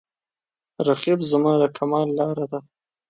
رقیب زما د کمال لاره ده